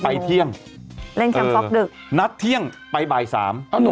ไปเที่ยงเออนัดเที่ยงไปบ่าย๓น